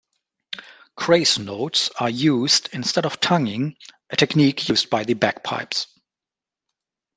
Grace notes are used instead of tonguing, a technique used by the bagpipes.